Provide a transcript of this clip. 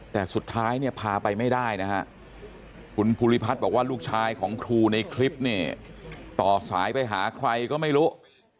แต่สุดท้ายเนี่ยพาไปไม่ได้นะฮะคุณภูริพัฒน์บอกว่าลูกชายของครูในคลิปเนี่ยต่อสายไปหาใครก็ไม่รู้